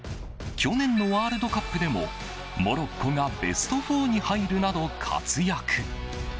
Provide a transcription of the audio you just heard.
去年のワールドカップでもモロッコがベスト４に入るなど活躍。